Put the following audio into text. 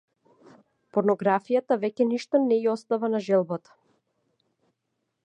Порнографијата веќе ништо не ѝ остава на желбата.